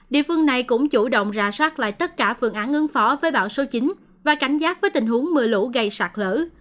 địa phương này cũng chủ động ra soát lại tất cả phương án ứng phó với bão số chín và cảnh giác với tình huống mưa lũ gây sạt lỡ